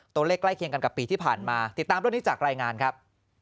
ตัวเลขใกล้เคียงกันกับปีที่ผ่านมาติดตามด้วยนี้จากรายงานครับ